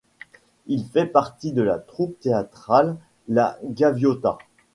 Il fait partie de la troupe théâtrale La Gaviota.